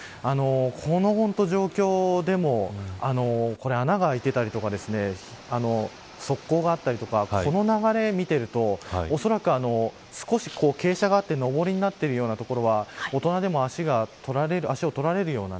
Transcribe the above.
この状況でも穴が開いていたりとか側溝があったりとかこの流れを見ているとおそらく少し傾斜があって上りなっているような所は大人でも足を取られるような